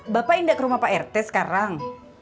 bapak ingat rumah pak rt sekarang